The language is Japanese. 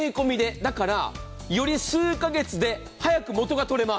だからより数か月で早く元が取れます。